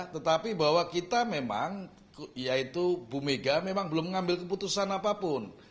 tetapi bahwa kita memang yaitu bu mega memang belum mengambil keputusan apapun